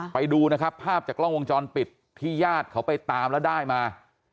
ไปดูนะครับภาพจากกล้องวงจรปิดที่ญาติเขาไปตามแล้วได้มา